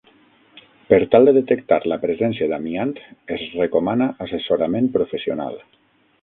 Per tal de detectar la presència d'amiant, es recomana assessorament professional.